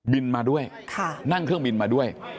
มาด้วยนั่งเครื่องบินมาด้วย